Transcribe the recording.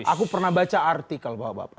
aku pernah baca artikel bapak bapak